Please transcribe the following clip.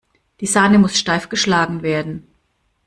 Die Sahne muss steif geschlagen werden.